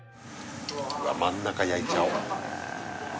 真ん中焼いちゃおう